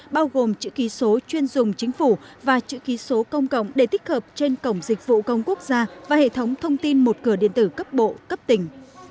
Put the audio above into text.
bao gồm chữ ký số chuyên dùng chính phủ và chữ ký số công cộng để tích hợp trên cổng dịch vụ công quốc gia và hệ thống thông tin một cửa điện tử cấp bộ cấp tỉnh